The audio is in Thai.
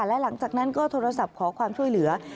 และหลังจากนั้นก็โทรศัพท์ขอความช่วยเหลือ